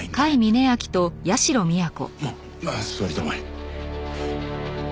まっまあ座りたまえ。